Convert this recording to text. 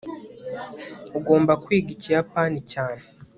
ugomba kwiga ikiyapani cyane